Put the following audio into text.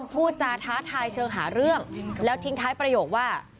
พูดจาท้าทายเชิงหาเรื่องแล้วทิ้งท้ายประโยคว่า